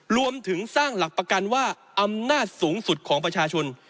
รวมถึงสร้างหลักประกันว่าอำนาจสูงสุดของประชาชน